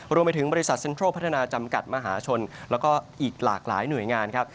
รวมไปถึงบริษัทเซ็นทรัลพัฒนาจำกัดมหาชนแล้วก็อีกหลากหลายหน่วยงานครับ